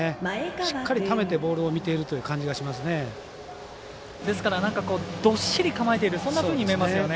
しっかりためてボールを見ているというどっしり構えているそんなふうに見えますよね。